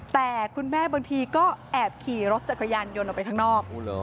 แต่คุณแม่บางทีก็แอบขี่รถจักรยานยนต์ออกไปข้างนอก